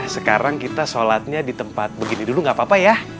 sekarang kita sholatnya di tempat begini dulu gak apa apa ya